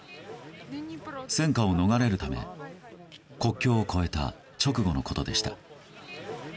戦禍を逃れるため国境を越えた直後のことでした。